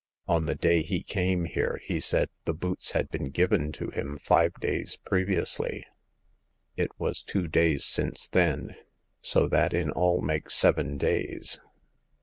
On the day he came here, he said the boots had been given to him five days previ ously. It is two days since then, so that in all 2o8 Hagar of the Pawn Shop. makes seven days.